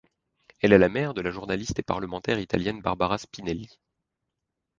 Elle est la mère de la journaliste et parlementaire italienne Barbara Spinelli.